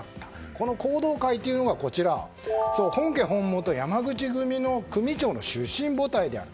この弘道会というのが本家本元、山口組の組長の出身母体である。